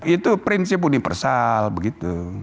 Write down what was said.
itu prinsip universal begitu